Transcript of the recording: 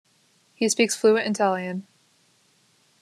He speaks fluent Italian.